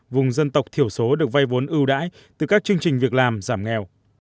vùng dân tộc thiểu số được vay vốn ưu đãi từ các chương trình việc làm giảm nghèo